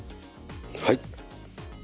はい。